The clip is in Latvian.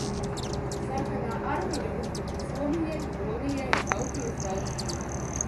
Sarkanā armija uzbruka Somijai, Polijai, Baltijas valstīm.